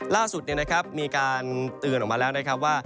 ล่าสุดมีการเตือนออกมาแล้วนะครับว่า